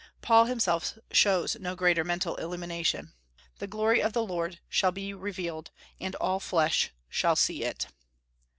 Paul himself shows no greater mental illumination. "The glory of the Lord shall be revealed, and all flesh shall see it."